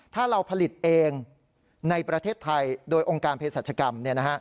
ถ้าเราผลิตเองในประเทศไทยโดยองค์การเพศรัชกรรม